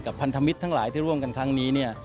พันธมิตรทั้งหลายที่ร่วมกันครั้งนี้เนี่ย